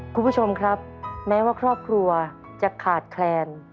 คุณผู้ชมครับแม้ว่าครอบครัวจะขาดแคลน